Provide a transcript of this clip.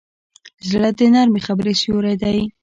زړه د نرمې خبرې سیوری دی.